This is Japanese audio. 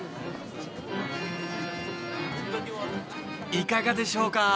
いかがでしょうか。